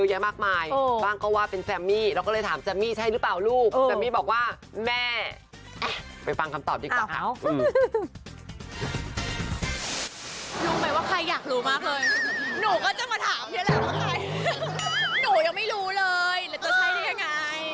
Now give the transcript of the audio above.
หนูยังไม่รู้เลยจะใช่นี่ยังไง